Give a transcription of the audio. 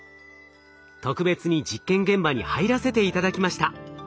特別に実験現場に入らせて頂きました。